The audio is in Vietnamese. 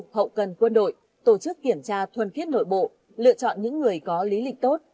hậu cần quân đội tổ chức kiểm tra thuần khiết nội bộ lựa chọn những người có lý lịnh tốt